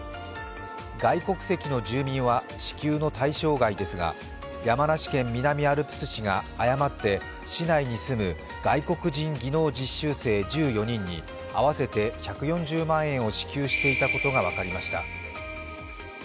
外国籍の住民は支給の対象外ですが、山梨県南アルプス市が誤って、市内に住む外国人技能実習生１４人に合わせて１４０万円を支給していたことが分かりました。